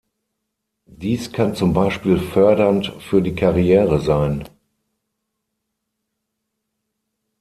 Dies kann zum Beispiel fördernd für die Karriere sein.